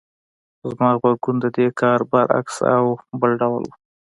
زما غبرګون د دې کار برعکس او بل ډول و.